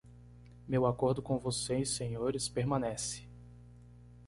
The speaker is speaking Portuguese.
Meu acordo com vocês senhores permanece!